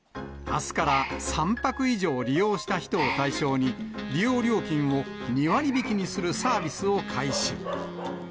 あすから３泊以上利用した人を対象に、利用料金を２割引きにするサービスを開始。